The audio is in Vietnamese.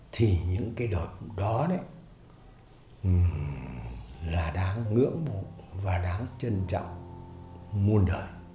thì những cái đợt đó đấy là đáng ngưỡng mộ và đáng trân trọng muôn đời